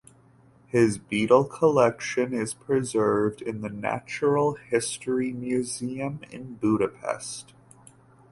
His beetle collection is preserved in the Natural History Museum in Budapest.